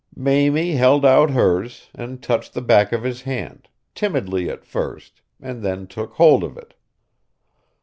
Mamie held out hers, and touched the back of his hand, timidly at first, and then took hold of it.